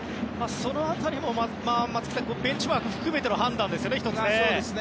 その辺りもベンチワークを含めての判断ですね。